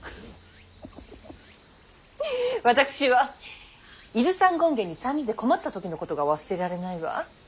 私は伊豆山権現に３人で籠もった時のことが忘れられないわ。